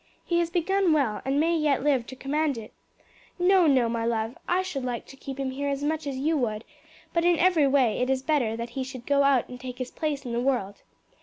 He has begun well, and may yet live to command it. No, no, my love. I should like to keep him here as much as you would, but in every way it is better that he should go out and take his place in the world.